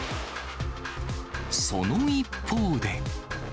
その一方で。